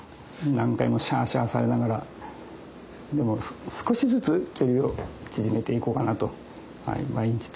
何回もシャーシャーされながらでも少しずつ距離を縮めていこうかなと毎日努力しています。